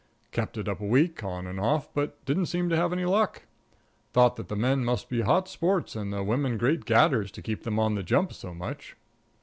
Kept it up a week, on and off, but didn't seem to have any luck. Thought that the men must be hot sports and the women great gadders to keep on the jump so much.